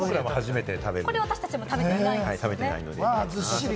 これは私達も食べてないんですね。